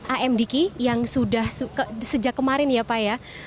amdki yang sudah sejak kemarin ya pak ya